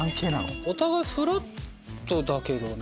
お互いフラットだけどね。